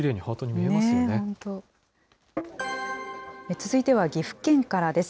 続いては岐阜県からです。